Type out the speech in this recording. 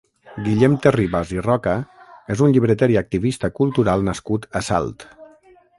Guillem Terribas i Roca és un llibreter i activista cultural nascut a Salt.